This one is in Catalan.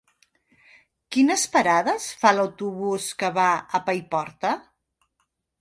Quines parades fa l'autobús que va a Paiporta?